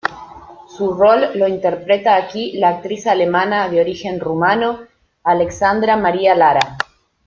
Su rol lo interpreta aquí la actriz alemana de origen rumano Alexandra Maria Lara.